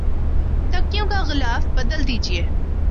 تکیوں کا غلاف بدل دیجئے